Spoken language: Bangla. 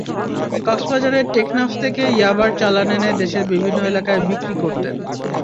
কক্সবাজারের টেকনাফ থেকে ইয়াবার চালান এনে দেশের বিভিন্ন এলাকার বিক্রি করতেন।